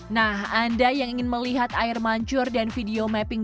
nah anda yang ingin melihat air mancur dan video mapping